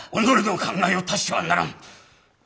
己の考えを足してはならん。